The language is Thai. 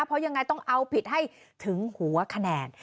เพราะยังไงต้องเอาผิดให้ถึงหัวคะแนน